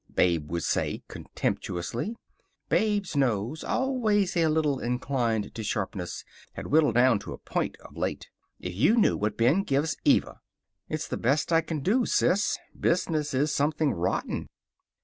Babe would say contemptuously. Babe's nose, always a little inclined to sharpness, had whittled down to a point of late. "If you knew what Ben gives Eva." "It's the best I can do, Sis. Business is something rotten."